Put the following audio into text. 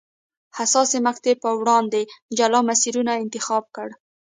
حساسې مقطعې په وړاندې جلا مسیرونه انتخاب کړل.